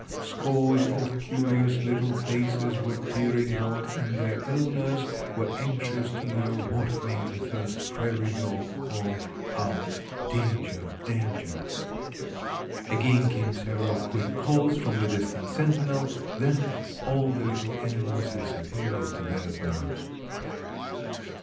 Scores of curious little faces were peering out and their owners were anxious to know what made the first prairie dog call out, "Danger, danger!" Again came several quick calls from the distant sentinel; then all the little animals disappeared into their burrows.